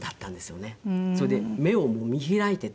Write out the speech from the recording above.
それで目を見開いていて。